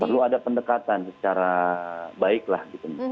perlu ada pendekatan secara baik lah gitu